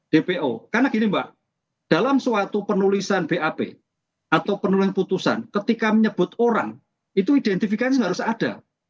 dpo karena gini mbak dalam suatu penulisan bap atau penulis putusan ketika menyebut orang itu identifikasi harus ada